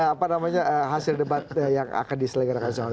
apa namanya hasil debat yang akan diselenggarakan